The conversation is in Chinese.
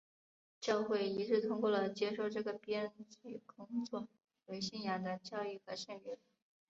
教会一致通过了接受这个编辑工作为信仰的教义和圣约。